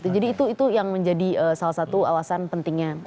jadi itu yang menjadi salah satu alasan pentingnya